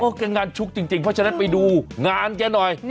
แกงานชุกจริงเพราะฉะนั้นไปดูงานแกหน่อย